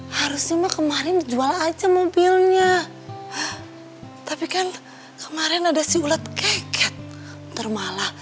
harusnya kemarin jual aja mobilnya tapi kan kemarin ada si ulat keket termalah